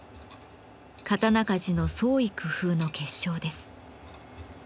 刀鍛冶の創意工夫の結晶です。